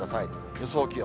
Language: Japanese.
予想気温。